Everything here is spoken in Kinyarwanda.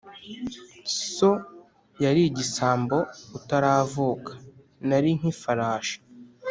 so yarigisambo utaravuka narinkifarashi